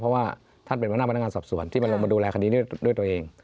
เพราะว่าท่านเป็นหัวหน้าพนักงานสอบสวนที่มันลงมาดูแลคดีนี้ด้วยตัวเอง